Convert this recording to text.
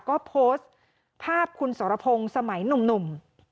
ก็โพสต์ภาพคุณสรพงศ์สมัยหนุ่ม